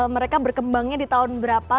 mereka berkembangnya di tahun berapa